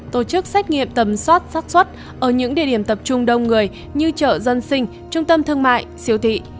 tổ chức xét nghiệm tầm soát sát xuất ở những địa điểm tập trung đông người như chợ dân sinh trung tâm thương mại siêu thị